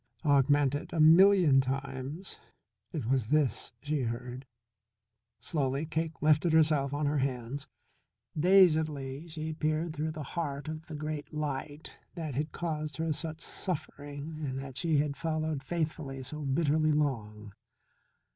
augmented a million times. It was this she heard. Slowly Cake lifted herself on her hands, dazedly she peered through the heart of the great light that had caused her such suffering and that she had followed faithfully so bitterly long.